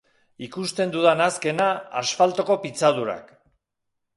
Ikusten dudan azkena, asfaltoko pitzadurak.